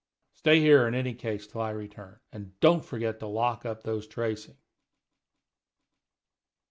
Stay here, in any case, till I return. And don't forget to lock up those tracings."